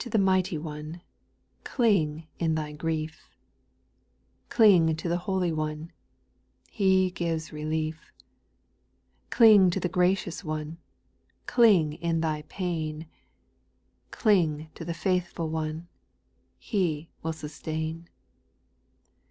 the MightrOne, \J Cling in thy grief; Cling to the Holy One, He gives relief; Cling to the Gracious One, Cling in thy pain : Cling to the Faithful One, He will sustain.